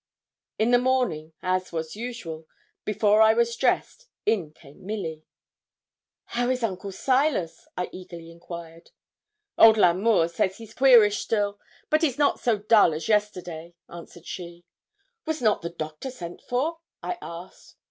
In the morning, as was usual, before I was dressed, in came Milly. 'How is Uncle Silas?' I eagerly enquired. 'Old L'Amour says he's queerish still; but he's not so dull as yesterday,' answered she. 'Was not the doctor sent for?' I asked.